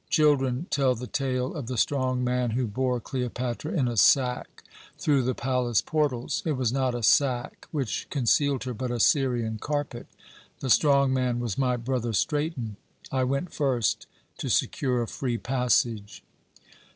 Children tell the tale of the strong man who bore Cleopatra in a sack through the palace portals. It was not a sack which concealed her, but a Syrian carpet. The strong man was my brother Straton. I went first, to secure a free passage.